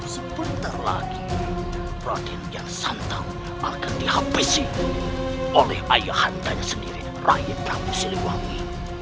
sebentar lagi perhatian yang santau akan dihabisi oleh ayahantanya sendiri rayet rambu silibawi